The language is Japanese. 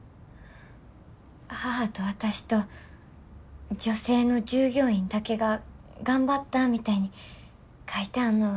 母と私と女性の従業員だけが頑張ったみたいに書いてあんのは。